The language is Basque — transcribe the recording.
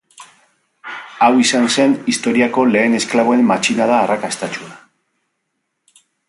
Hau izan zen historiako lehen esklaboen matxinada arrakastatsua.